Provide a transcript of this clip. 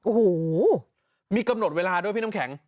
โอ้โหมีกำหนดเวลาด้วยพี่น้ำแข็ง